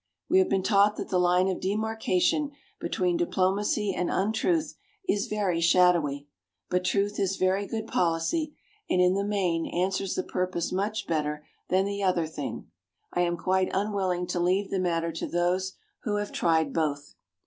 We have been taught that the line of demarcation between diplomacy and untruth is very shadowy. But truth is very good policy and in the main answers the purpose much better than the other thing. I am quite willing to leave the matter to those who have tried both.